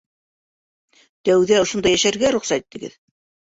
Тәүҙә ошонда йәшәргә рөхсәт итегеҙ.